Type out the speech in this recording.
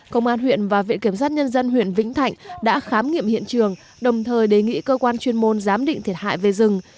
công an huyện và viện kiểm sát nhân dân huyện vĩnh thạnh đã khám nghiệm hiện trường đồng thời đề nghị cơ quan chuyên môn giám định thiệt hại về rừng